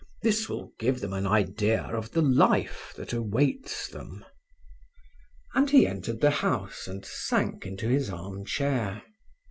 This will give them an idea of the life that awaits them!" And he entered the house and sank into his armchair.